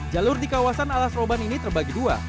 jalur di kawasan alas roban ini terbagi dua